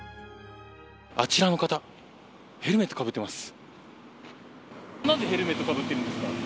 あちらの方ヘルメットかぶっています。